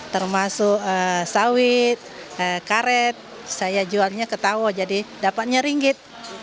termasuk sawit karet saya jualnya ketawa jadi dapatnya ringgit